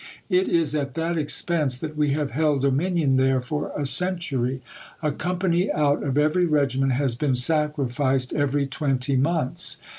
It is at that expense that we have held dominion there for a century; a company out of every regiment has been sacrificed every twenty months.